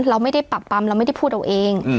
เราไม่ได้ปรับปรำเราไม่ได้พูดเอาเอง